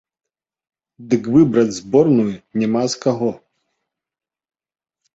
Дык выбраць зборную няма з каго.